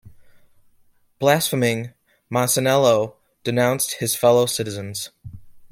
Blaspheming, Masaniello denounced his fellow-citizens.